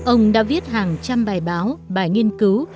ông đã viết hàng trăm bài báo bài nghiên cứu